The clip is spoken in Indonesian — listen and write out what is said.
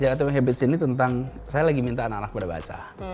jadi atomic habits ini tentang saya lagi minta anak anak pada baca